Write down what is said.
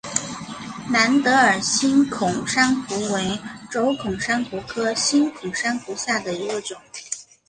蓝德尔星孔珊瑚为轴孔珊瑚科星孔珊瑚下的一个种。